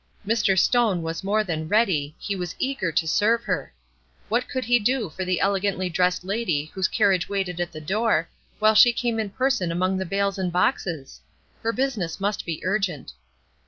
Mr. Stone was more than ready, he was eager to serve her. What could he do for the elegantly dressed lady whose carriage waited at the door, while she came in person among the bales and boxes? Her business must be urgent.